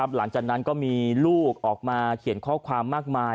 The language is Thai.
หลังจากนั้นก็มีลูกออกมาเขียนข้อความมากมาย